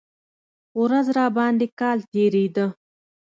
ورځ راباندې کال تېرېده.